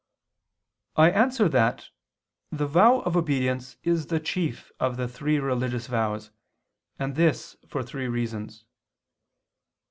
I answer that, The vow of obedience is the chief of the three religious vows, and this for three reasons.